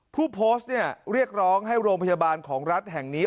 ผู้โพสต์เรียกร้องให้โรงพยาบาลของรัฐแห่งนี้